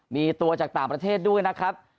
มีตัวจากต่างประเทศด้วยนะครับ